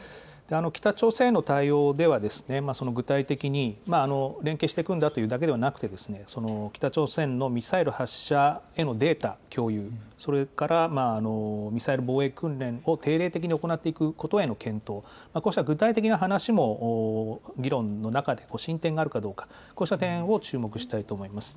北朝鮮への対応では、具体的に連携していくんだというだけではなくて、北朝鮮のミサイル発射へのデータ共有、それからミサイル防衛訓練を定例的に行っていくことへの検討、こうした具体的な話も議論の中で進展があるかどうか、こうした点を注目したいと思います。